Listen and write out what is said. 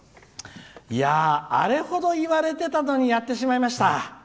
あれほど言われてたのにやってしまいました。